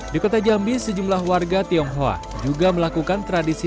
di kota jambi sejumlah warga tionghoa juga melakukan tradisi